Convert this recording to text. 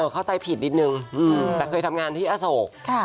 เข้าใจผิดนิดนึงแต่เคยทำงานที่อโศก